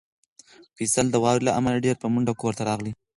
فیصل د واورې له امله ډېر په منډه کور ته راغلی و.